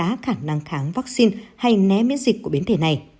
hãy đăng ký kênh để nhận thêm những giá khả năng kháng vaccine hay né miễn dịch của biến thể này